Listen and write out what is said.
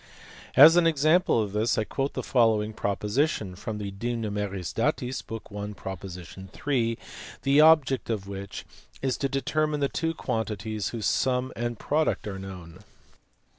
As an example of this I quote the following proposition (from the De A anfris Datis, book i. prop. 3) the object of which is to determine two quantities whose sum and product are known.